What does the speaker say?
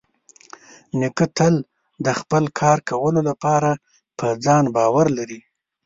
نیکه تل د خپل کار کولو لپاره په ځان باور لري.